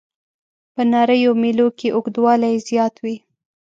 په نریو میلو کې اوږدوالی یې زیات وي.